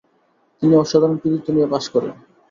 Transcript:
তিনি অসাধারণ কৃতিত্ব নিয়ে পাশ করেন।